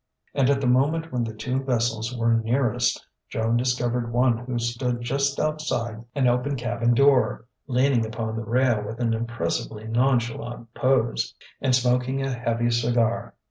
And at the moment when the two vessels were nearest, Joan discovered one who stood just outside an open cabin door, leaning upon the rail with an impressively nonchalant pose, and smoking a heavy cigar.